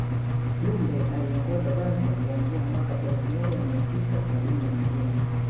Jumbe aliiongoza Zanzibar kuanzia mwaka elfu moja mia tisa sabini na mbili